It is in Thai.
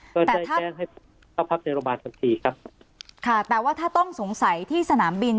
ก็ได้แจ้งให้เข้าพักในโรงพยาบาลทันทีครับค่ะแต่ว่าถ้าต้องสงสัยที่สนามบิน